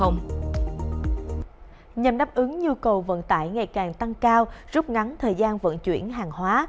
nhằm đáp ứng nhu cầu vận tải ngày càng tăng cao rút ngắn thời gian vận chuyển hàng hóa